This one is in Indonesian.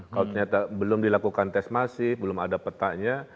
kalau ternyata belum dilakukan tes masif belum ada petanya